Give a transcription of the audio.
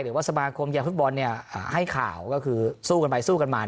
หรือว่าสมาคมกีฬาฟุตบอลเนี่ยให้ข่าวก็คือสู้กันไปสู้กันมา